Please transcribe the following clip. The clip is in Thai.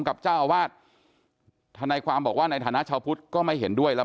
กับเจ้าอาวาสทนายความบอกว่าในฐานะชาวพุทธก็ไม่เห็นด้วยแล้ว